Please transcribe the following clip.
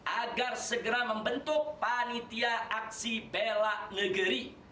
agar segera membentuk panitia aksi bela negeri